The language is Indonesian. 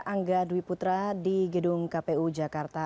angga dwi putra di gedung kpu jakarta